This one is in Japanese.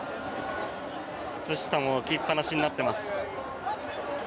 靴下も置きっぱなしになっています。